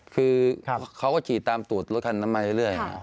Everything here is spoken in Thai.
คือเขาก็ฉีดตามตรวจรถคันนั้นมาเรื่อย